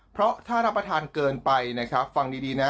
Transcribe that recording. เพราะถ้ารับประทานเกินไปนะครับฟังดีนะ